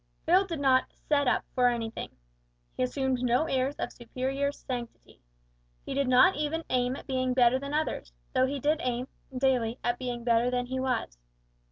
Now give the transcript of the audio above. Phil did not "set up" for anything. He assumed no airs of superior sanctity. He did not even aim at being better than others, though he did aim, daily, at being better than he was.